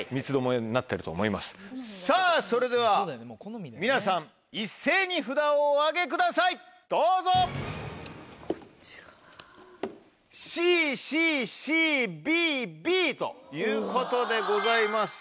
さぁそれでは皆さん一斉に札をお上げくださいどうぞ！ということでございます